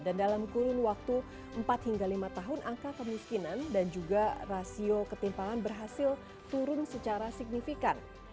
dan dalam kurun waktu empat hingga lima tahun angka kemiskinan dan juga rasio ketimpangan berhasil turun secara signifikan